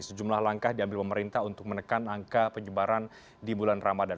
sejumlah langkah diambil pemerintah untuk menekan angka penyebaran di bulan ramadan